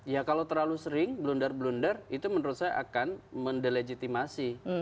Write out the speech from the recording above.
ya kalau terlalu sering blunder blunder itu menurut saya akan mendelegitimasi